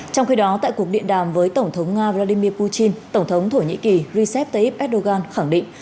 trong khi đó tại cuộc điện đàm với tổng thống nga vladimir putin tổng thống thổ nhĩ kỳ recep tayyip erdogan khẳng định